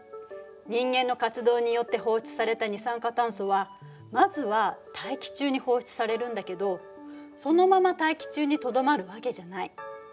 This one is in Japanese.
人間の活動によって放出された二酸化炭素はまずは大気中に放出されるんだけどそのまま大気中にとどまるわけじゃない。